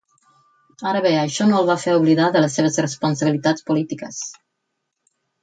Ara bé, això no el va fer oblidar de les seves responsabilitats polítiques.